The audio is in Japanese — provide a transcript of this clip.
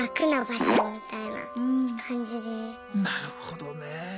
なるほどね。